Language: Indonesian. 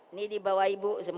ini di bawah ibu semuanya tuh